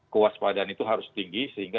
kewaspadaan itu harus tinggi sehingga